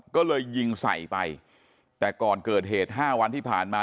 ก็เลยยิงใส่ไปแต่ก่อนเกิดเหตุห้าวันที่ผ่านมา